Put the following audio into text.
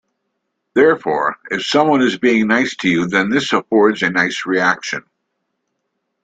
Therefore, if someone is being nice to you then this affords a nice reaction.